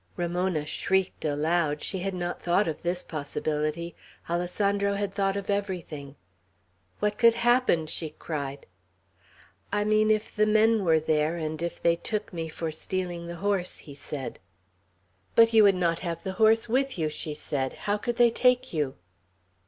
Ramona shrieked aloud. She had not thought of this possibility. Alessandro had thought of everything. "What could happen?" she cried. "I mean if the men were there, and if they took me for stealing the horse," he said. "But you would not have the horse with you," she said. "How could they take you?"